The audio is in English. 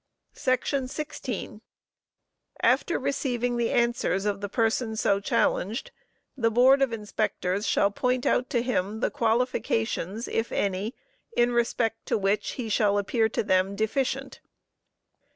"§ 16. After receiving the answers of the person so challenged, the board of inspectors shall point out to him the qualifications, if any, in respect to which he shall appear to them deficient."